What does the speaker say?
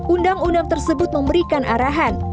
undang undang tersebut memberikan arahan